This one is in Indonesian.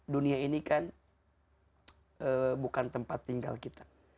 dunia ini kan bukan tempat tinggal kita